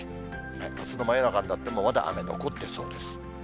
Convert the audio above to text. あすの真夜中になっても、まだ雨残ってそうです。